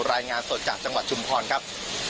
รายงานสดจากจังหวัดชุมพรครับ